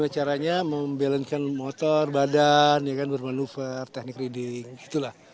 caranya membalanceng motor badan ya kan bermanuver teknik reading itulah